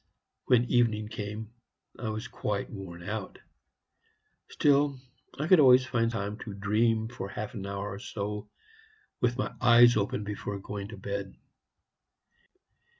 When evening came, I was quite worn out; still, I could always find time to dream for half an hour or so with my eyes open before going to bed.